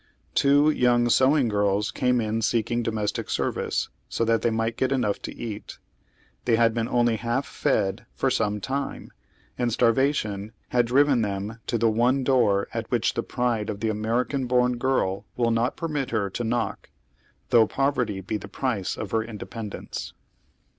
Two young sewing girls came in seeking domes tie service, so tliat they might get enough to eat. They ,y Google THE WORKING GIRLS OF NEW YORK. 239 had been only half fed for some time, and starvation had driven them to the one door at which the pride of the Ainerican born girl wiii not permit her to knock," th on gli poverty be the price of her independence.